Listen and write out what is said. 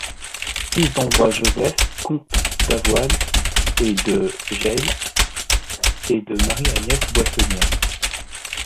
Fils d'Ambroise-Joseph comte d'Avoynes et de la Jaille et de Marie-Agnès Boissonnière.